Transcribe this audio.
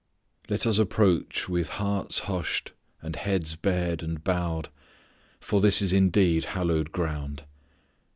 Let us approach with hearts hushed and heads bared and bowed, for this is indeed hallowed ground.